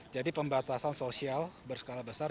jadi pembatasan sosial berskala besar